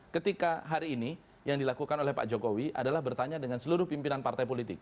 ketika hari ini yang dilakukan oleh pak jokowi adalah bertanya dengan seluruh pimpinan partai politik